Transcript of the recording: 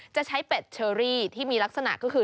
จะใช้เป็ดเชอรี่ที่มีลักษณะก็คือ